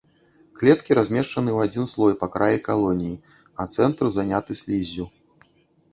Клеткі размешчаны ў адзін слой па краі калоніі, а цэнтр заняты сліззю.